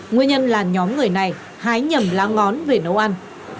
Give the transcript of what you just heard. nguyên nhân là nhóm người này hái nhầm lá ngón về nấu ăn